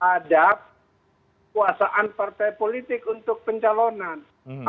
ada kuasaan partai politik untuk pencalonan